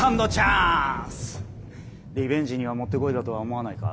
リベンジにはもってこいだとは思わないか？